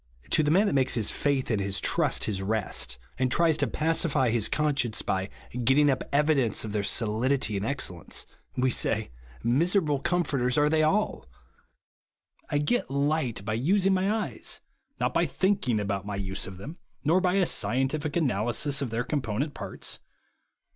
To the man that makes his faith and his trust his rest, and tries to pacify his conscience by getting up evidence of their solidity and excellence, we say, miserable comforters are they all ! I get 110 BELIEVE AND IJE SAVED. light by using my eyes ; not by tliinking about my use of them, nor by a scientific analysis of their component parts.